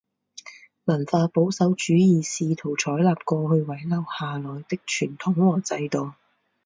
文化保守主义试图采纳过去遗留下来的传统和制度。